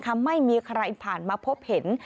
ไม่มีใครผ่านมาพบเห็น